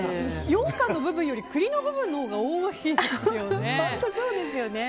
ようかんの部分よりも栗の部分のほうが多いですよね。